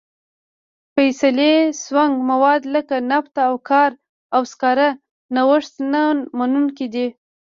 فسیلي سونګ مواد لکه نفت او سکاره نوښت نه منونکي دي.